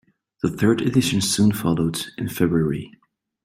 The third edition soon followed, in February.